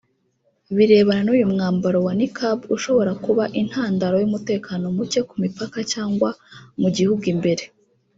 birebana n’uyu mwambaro wa Niqab ushobora kuba intandaro y’umutekano muke ku mipaka cyangwa mu gihugu imbere